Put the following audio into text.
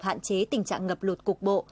hạn chế tình trạng ngập lụt cục bộ